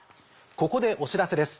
ここでお知らせです。